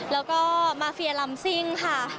แล้วก็มาเฟียลำซิ่งค่ะ